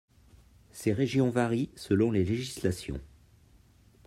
Ces régions varient selon les législations.